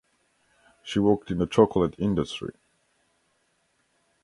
She worked in the chocolate industry.